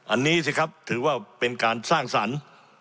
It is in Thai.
อันนี้สิครับถือว่าเป็นการสร้างสรรค์